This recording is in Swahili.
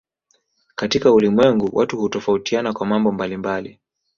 Katika ulimwengu watu hutofautiana kwa mambo mbalimbali